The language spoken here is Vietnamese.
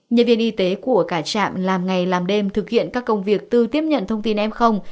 nhân viên y tế của cả trạm làm ngày làm đêm thực hiện các công việc tư tiếp nhận thông tin em không